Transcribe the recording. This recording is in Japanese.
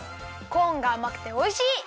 コーンがあまくておいしい！